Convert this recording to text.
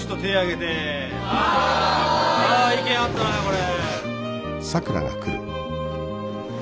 はい！意見合ったなこれ。